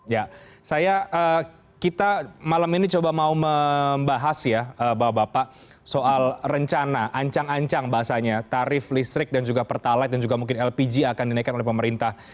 ya saya kita malam ini coba mau membahas ya bapak bapak soal rencana ancang ancang bahasanya tarif listrik dan juga pertalite dan juga mungkin lpg akan dinaikkan oleh pemerintah